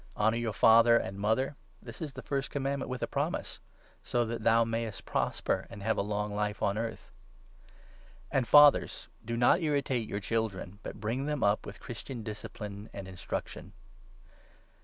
' Honour thy father and mother '— this is the 2 first Commandment with a promise — 'so that thou mayest 3 prosper and have a long life on earth.' And fathers, do 4 not irritate your children, but bring them up with Christian discipline and instruction.